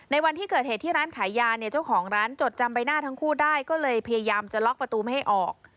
วันที่เกิดเหตุที่ร้านขายยาเนี่ยเจ้าของร้านจดจำใบหน้าทั้งคู่ได้ก็เลยพยายามจะล็อกประตูไม่ให้ออก